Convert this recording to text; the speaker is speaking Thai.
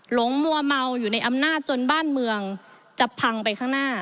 หลงมัวเมาอยู่ในอำนาจจนบ้านเมืองจะพังไปข้างหน้า